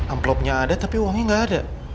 amplopnya ada tapi uangnya nggak ada